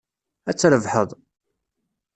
Ad trebḥeḍ.